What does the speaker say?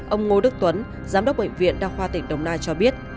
ông ngô đức tuấn giám đốc bệnh viện đa khoa tỉnh đồng nai cho biết